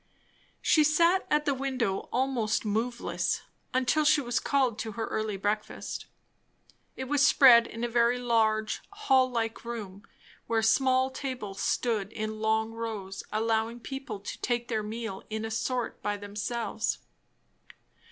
She sat at the window almost moveless, until she was called to her early breakfast. It was spread in a very large hall like room, where small tables stood in long rows, allowing people to take their meals in a sort by themselves.